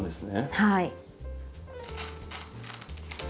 はい。